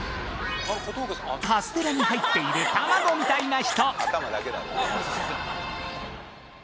カステラに入っている卵みたいな人